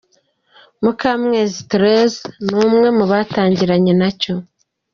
Mukamwezi Therese ni umwe mu batangiranye nacyo.